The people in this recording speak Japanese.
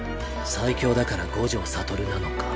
最強だから五条悟なのか。